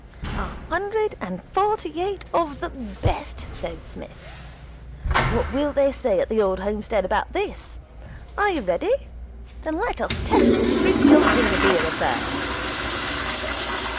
'A hundred and forty eight of the best,' said Psmith. 'What will they say at the old homestead about this? Are you ready? Then let us test this fruity old ginger beer of theirs.'